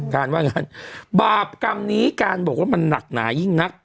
การว่างั้นบาปกรรมนี้การบอกว่ามันหนักหนายิ่งนัก